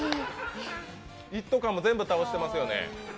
一斗缶も全部倒してますよね。